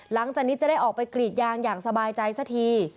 หลังจากนี้จะได้ออกไปกรีดยางอย่างสบายใจสักที